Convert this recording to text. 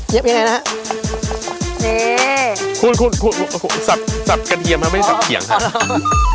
เย็บยังไงนะฮะนี่คุณคุณคุณคุณสับสับกระเทียมให้ไม่สับเขียงค่ะอ๋อ